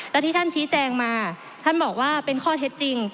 และที่ท่านชี้แจงมาท่านบอกว่าเป็นข้อเท็จจริง